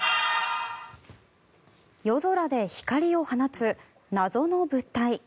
夜空で光を放つ謎の物体。